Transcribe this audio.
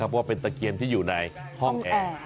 เพราะว่าเป็นตะเกียนที่อยู่ในห้องแอ